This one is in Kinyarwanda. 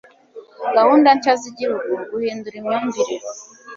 gahunda nshya z'igihugu, guhindura imyumvire